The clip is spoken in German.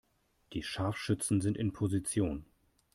Die Scharfschützen sind in Position.